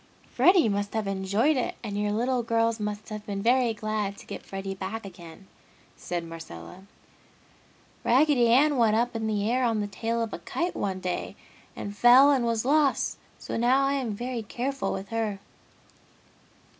"Freddy must have enjoyed it and your little girls must have been very glad to get Freddy back again!" said Marcella. "Raggedy Ann went up in the air on the tail of a kite one day and fell and was lost, so now I am very careful with her!"